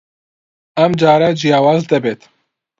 ئەم جارە جیاواز دەبێت.